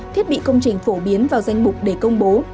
thiết bị công trình phổ biến vào danh mục để công bố